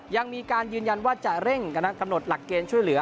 ยังมีการยืนยันว่าจะเร่งกำหนดหลักเกณฑ์ช่วยเหลือ